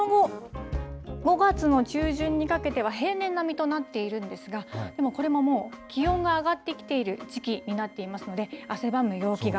その後、５月の中旬にかけては平年並みとなっているんですがこれももう、気温が上がってきている時期になっていますので汗ばむ陽気が